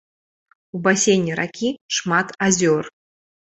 У басейне ракі шмат азёр.